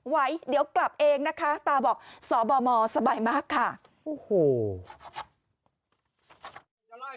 ไว้เดี๋ยวกลับเองนะคะตาบอกสบสบายมากค่ะโอ้โห